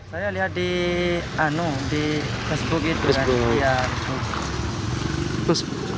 saya lihat di facebook itu kan